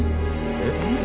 えっ？